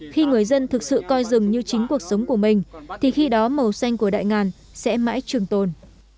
khi người dân thực sự coi rừng như chính cuộc sống của mình thì khi đó màu xanh của đại ngàn sẽ mãi trường tồn